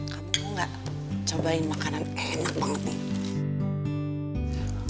kamu gak cobain makanan enak banget nih